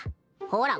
ほら